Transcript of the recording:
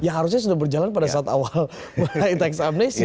ya harusnya sudah berjalan pada saat awal mulai teks amnesi